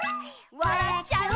「わらっちゃう」